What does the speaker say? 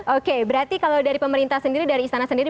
oke berarti kalau dari pemerintah sendiri dari istana sendiri